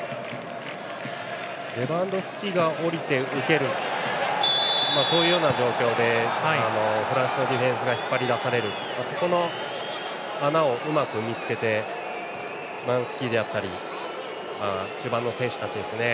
レバンドフスキが下りて受ける、そういう状況でフランスのディフェンスが引っ張り出される、そこの穴をうまく見つけてシマンスキだったり中盤の選手たちですね。